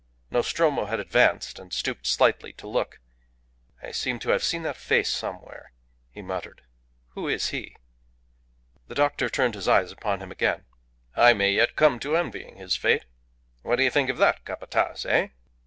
Nostromo had advanced, and stooped slightly to look. "I seem to have seen that face somewhere," he muttered. "Who is he?" The doctor turned his eyes upon him again. "I may yet come to envying his fate. What do you think of that, Capataz, eh?"